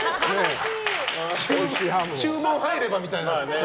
注文入ればみたいな。